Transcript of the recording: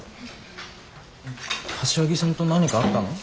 柏木さんと何かあったの？